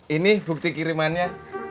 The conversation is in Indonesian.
ini bukti kirimannya